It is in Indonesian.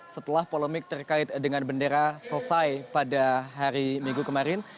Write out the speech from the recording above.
setelah polemik terkait dengan bendera selesai pada hari minggu kemarin